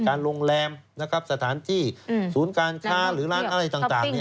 การโรงแรมนะครับสถานที่อืมศูนย์การค้าหรือร้านอะไรต่างต่างเนี้ย